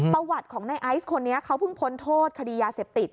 ประวัติของในไอซ์คนนี้เขาเพิ่งพ้นโทษคดียาเสพติด